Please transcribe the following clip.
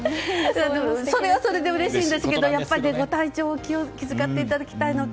それはそれでうれしいんですけどご体調を気遣っていただきたいのと